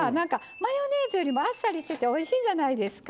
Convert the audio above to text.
マヨネーズよりもあっさりしてておいしいじゃないですか。